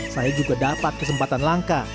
saya juga dapat kesempatan langka